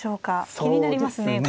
気になりますね